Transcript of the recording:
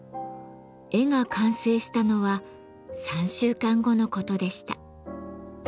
絵が完成したのは３週間後のことでした。